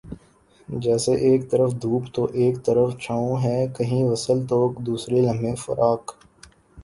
جیسے ایک طرف دھوپ تو ایک طرف چھاؤں ہے کہیں وصل تو دوسرے لمحےفراق